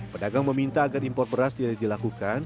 pedagang meminta agar impor beras tidak dilakukan